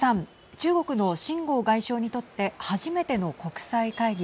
中国の秦剛外相にとって初めての国際会議。